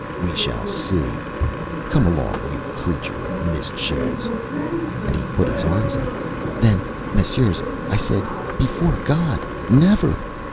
We shall see! Come along, you creature of mischance!Â And he put his arms out. Then, Messieurs, I said: ÂBefore God never!